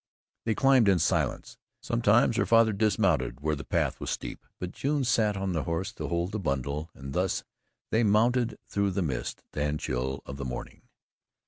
They climbed in silence. Sometimes her father dismounted where the path was steep, but June sat on the horse to hold the bundle and thus they mounted through the mist and chill of the morning.